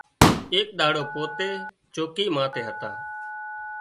ايڪ ڏاڙو پوتي چوڪي ماٿي هتا